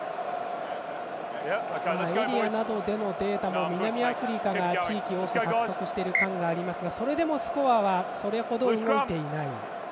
エリアなどでのデータも南アフリカが地域多く獲得している感がありますがそれでもスコアはそれ程動いていない。